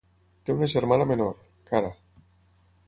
Té una germana menor, Cara.